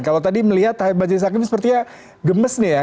kalau tadi melihat majelis hakim sepertinya gemes nih ya